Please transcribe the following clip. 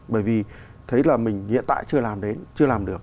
bởi vì thấy là mình hiện tại chưa làm đến chưa làm được